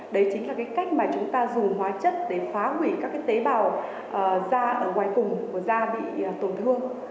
đấy chính là cái cách mà chúng ta dùng hóa chất để phá hủy các tế bào da ở ngoài cùng của da bị tổn thương